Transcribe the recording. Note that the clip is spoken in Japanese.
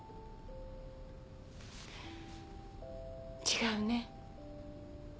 違うね